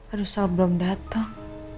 aduh sal belum datang